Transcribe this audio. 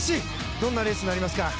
どんなレースになりますか。